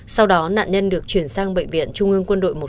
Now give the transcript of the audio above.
sau đó nạn nhân được chuyển sang bệnh viện trung ương quân đội một trăm linh tám